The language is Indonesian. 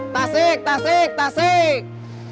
tasik tasik tasik